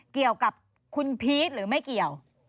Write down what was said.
เกี่ยวกับคุณพีชหรือไม่เกี่ยว